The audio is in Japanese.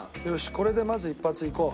これでまず一発いこう。